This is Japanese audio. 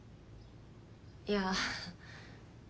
いや。